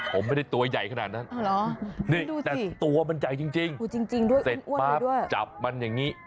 ผมไม่ได้ตัวใหญ่ขนาดนั้นนี่แต่ตัวมันใหญ่จริงด้วยจับมันอย่างนี้